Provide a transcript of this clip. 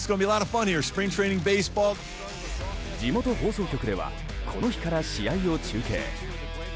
地元放送局ではこの日から試合を中継。